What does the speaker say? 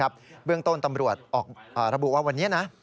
เบื้องต้นตำรวจออกระบุว่าวันนี้นะ